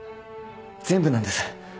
全部なんです。